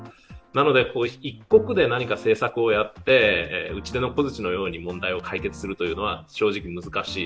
なので、一国で何か政策をやって打ち出の小づちのように問題を解決するというのは正直難しい。